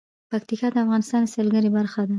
پکتیا د افغانستان د سیلګرۍ برخه ده.